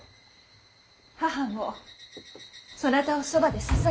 母もそなたをそばで支えましょう。